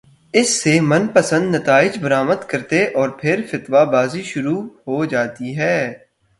اس سے من پسندنتائج برآمد کرتے اورپھر فتوی بازی شروع ہو جاتی ہے۔